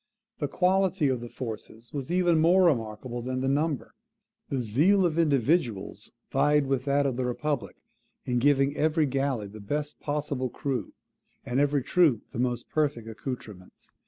The quality of the forces was even more remarkable than the number. The zeal of individuals vied with that of the republic in giving every galley the best possible crew, and every troop the most perfect accoutrements.